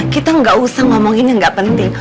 kita nggak usah ngomongin yang gak penting